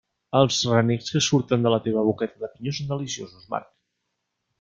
Els renecs que surten de la teva boqueta de pinyó són deliciosos, Marc.